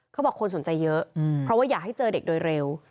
เขาบอกคนสนใจเยอะเพราะว่าอยากให้เจอเด็กโดยเร็ว